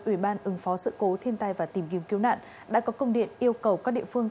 ủy ban ứng phó sự cố thiên tai và tìm kiếm cứu nạn đã có công điện yêu cầu các địa phương